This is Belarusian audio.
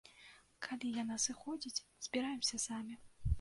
Калі яна сыходзіць, збіраемся самі.